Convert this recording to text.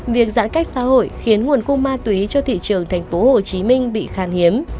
việc giãn cách xã hội khiến nguồn cung ma túy cho thị trường thành phố hồ chí minh bị khan hiếm